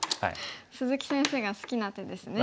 鈴木先生が好きな手ですね。